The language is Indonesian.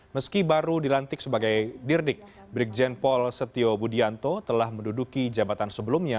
meski baru dilantik sebagai dirdik brigjen paul setio budianto telah menduduki jabatan sebelumnya